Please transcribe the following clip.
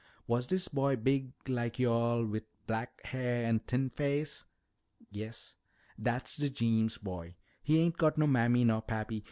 Was dis boy big like yo'all, wi' black hair an' a thin face?" "Yes." "Dat's de Jeems boy. He ain't got no mammy nor pappy.